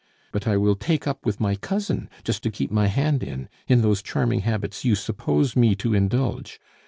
But I will take up with my cousin, just to keep my hand in, in those charming habits you suppose me to indulge.